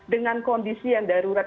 dengan kondisi yang darurat